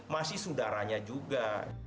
masih sudaranya juga